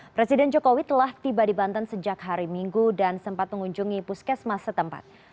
presiden jokowi telah tiba di banten sejak hari minggu dan sempat mengunjungi puskesmas setempat